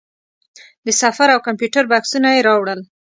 د سفر او کمپیوټر بکسونه یې راوړل.